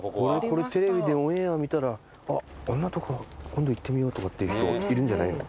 これテレビでオンエア見たらあっあんなとこ今度行ってみようとかっていう人いるんじゃないの？